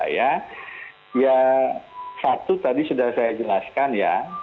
ya satu tadi sudah saya jelaskan ya